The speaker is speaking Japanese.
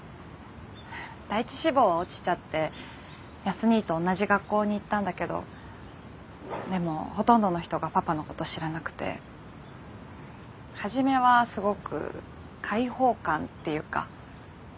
第１志望は落ちちゃって康にぃと同じ学校に行ったんだけどでもほとんどの人がパパのこと知らなくて初めはすごく解放感っていうか自由みたいな。